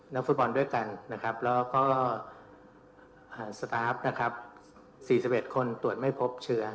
นักฟุตบอลด้วยกันแล้วก็สตาฟ๔๑คนตรวจไม่พบเชื้อ